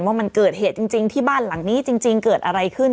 ว่ามันเกิดเหตุจริงที่บ้านหลังนี้จริงเกิดอะไรขึ้น